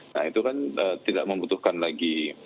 nah itu kan tidak membutuhkan lagi